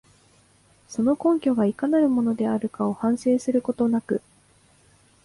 その根拠がいかなるものであるかを反省することなく、